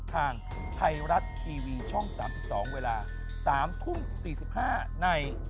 ทางไทยรัฐทีวีช่อง๓๒เวลา๓ทุ่ม๔๕ใน